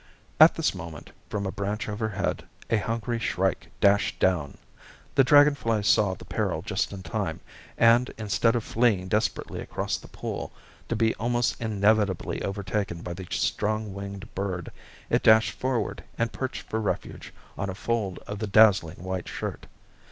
At this moment, from a branch overhead, a hungry shrike dashed down. The dragon fly saw the peril just in time; and, instead of fleeing desperately across the pool, to be almost inevitably overtaken by the strong winged bird, it dashed forward and perched for refuge on a fold of the dazzling white shirt.